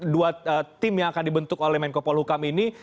dua tim yang akan dibentuk oleh menko polhukam ini